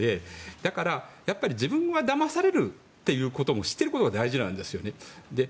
だから自分はだまされるということも知ってることが大事なんですよね。